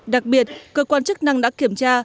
đặc biệt cơ quan chức năng đã kiểm tra